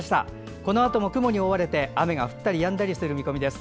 このあとも雲に覆われて雨が降ったりやんだりする見込みです。